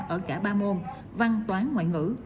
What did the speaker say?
ở cả ba môn văn toán ngoại ngữ